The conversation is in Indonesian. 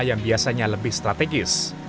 yang biasanya lebih strategis